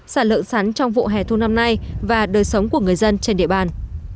sản lượng sắn trong vụ hè thu năm nay và đời sống của người dân trên địa bàn